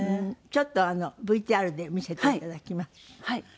ちょっとＶＴＲで見せていただきます。